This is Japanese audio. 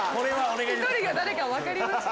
１人が誰か分かりました。